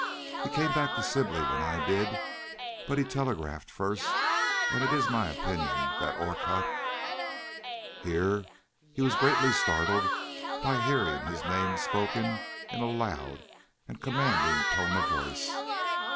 He came back to Sibley when I did, but he telegraphed first, and it is my opinion that Orcutt " Here he was greatly startled by hearing his name spoken in a loud and commanding tone of voice.